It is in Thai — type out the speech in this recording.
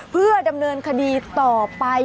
เพื่อดำเนินคดีต่อไป